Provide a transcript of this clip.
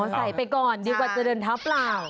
ใส่ไปก่อนดีกว่าจะเดินเท้าเปล่า